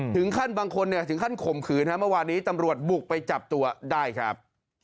ถึงขั้นบางคนเนี่ยถึงขั้นข่มขืนเมื่อวานนี้ตำรวจบุกไปจับตัวได้ครับ